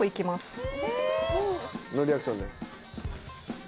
ノーリアクションね。